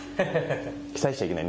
期待しちゃいけないな。